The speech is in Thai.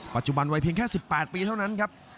ปัจจุบันวัยเพียงแค่๑๘ปีเท่านั้นครับ